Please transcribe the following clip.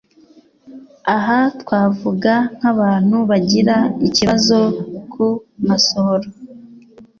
Aha twavuga nk'abantu bagira ikibazo ku masohoro